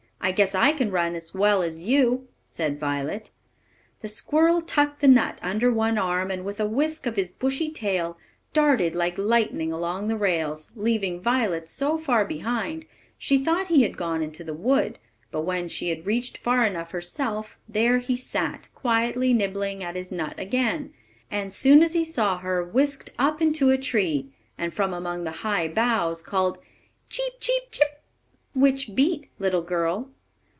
I guess I can run as well as you," said Violet. The squirrel tucked the nut under one arm, and with a whisk of his bushy tail, darted like lightning along the rails, leaving Violet so far behind she thought he had gone into the wood; but when she had reached far enough herself, there he sat, quietly nibbling at his nut again, and soon as he saw her, whisked up into a tree, and from among the high boughs called, "Cheep, cheep, chip! Which beat, little girl?"